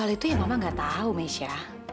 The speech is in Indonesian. hal itu ya mama gak tahu mesha